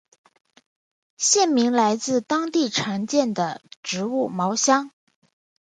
县名来自当地常见的植物茅香。